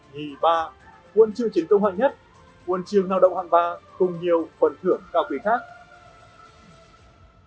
nhì ba quân trương chiến công hạng nhất quân trương nào động hạng ba cùng nhiều phần thưởng cao quỷ khác